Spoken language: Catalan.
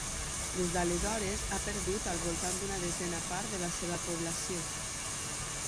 Des d'aleshores, ha perdut al voltant d'una desena part de la seva població.